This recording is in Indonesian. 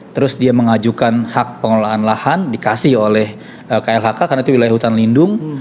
terus dia mengajukan hak pengelolaan lahan dikasih oleh klhk karena itu wilayah hutan lindung